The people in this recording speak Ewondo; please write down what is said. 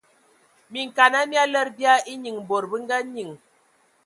Minkana mia lədə bia enyiŋ bod bə nga nyiŋ.